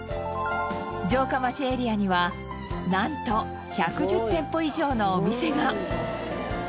城下町エリアにはなんと１１０店舗以上のお店が。